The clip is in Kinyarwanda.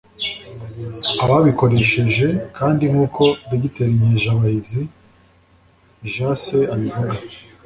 abazikoresheje bandi nk'uko dogiteri nkejabahizi j.c. abivuga